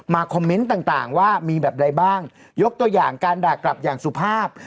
คอมเมนต์ต่างว่ามีแบบใดบ้างยกตัวอย่างการด่ากลับอย่างสุภาพ